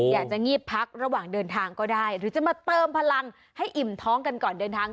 อยากจะงีบพักระหว่างเดินทางก็ได้หรือจะมาเติมพลังให้อิ่มท้องกันก่อนเดินทาง